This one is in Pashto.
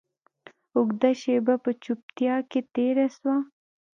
اوږده شېبه په چوپتيا کښې تېره سوه.